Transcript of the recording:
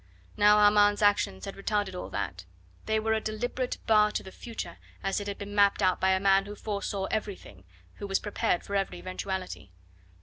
Now Armand's actions had retarded all that; they were a deliberate bar to the future as it had been mapped out by a man who foresaw everything, who was prepared for every eventuality.